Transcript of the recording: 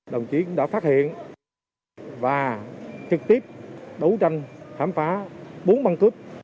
đồng chí cũng đã phát hiện và trực tiếp đấu tranh khám phá bốn băng cướp